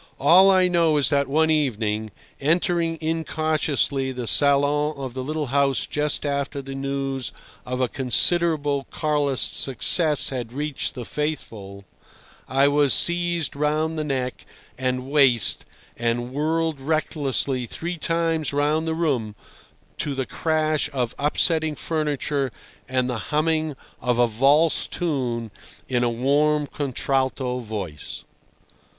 All I know is that one evening, entering incautiously the salon of the little house just after the news of a considerable Carlist success had reached the faithful, I was seized round the neck and waist and whirled recklessly three times round the room, to the crash of upsetting furniture and the humming of a valse tune in a warm contralto voice.